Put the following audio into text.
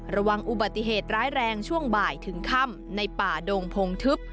ระวังอุบัติเหตุร้ายแรงช่วงบ่ายถึงค่ำในป่าดงพงทึบ